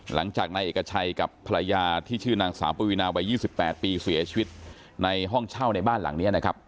หลังจากนายเอกชัยกับภรรยาที่ชื่อนางสาวปวีนาวัย๒๘ปีเสียชีวิตในห้องเช่าในบ้านหลังนี้นะครับ